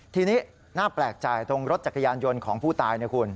ทีนี้น่าแปลกใจตรงรถจักรยานยนต์ของผู้ตายนะคุณ